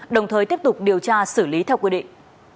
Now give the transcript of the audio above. đồng thời tiếp tục điều tra xử lý theo quy định